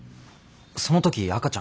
その時赤ちゃんは？